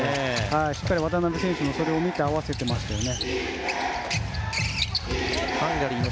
しっかり渡邊選手もそれを見て合わせていましたよね。